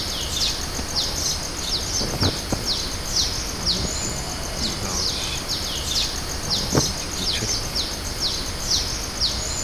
এই ব্যবস্থা মদদ-ই-মাশ নামে পরিচিত ছিল।